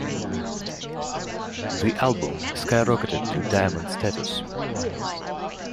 The album skyrocketed to Diamond status.